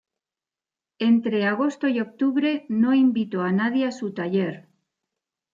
Entre agosto y octubre no invitó a nadie a su taller.